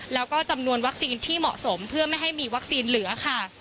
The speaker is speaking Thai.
แล้วก็จำนวนวัคซีนที่เหมาะสมเพื่อไม่ให้มีวัคซีนเหลือค่ะ